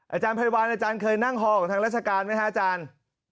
อาจารย์ไพรวัลอาจารย์เคยนั่งฮอกับทางราชการไหมฮะอาจารย์